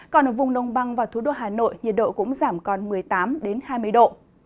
còn ở vùng nông băng và thủ đô hà nội nhiệt độ cũng giảm còn một mươi tám hai mươi độ